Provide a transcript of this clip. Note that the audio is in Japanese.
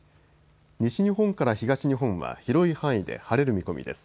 西日本から東日本は広い範囲で晴れる見込みです。